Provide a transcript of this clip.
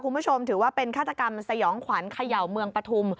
คุณผู้ชมถือว่าเป็นฆาตกรรมสยองขวัญเขย่าเมืองปฐุม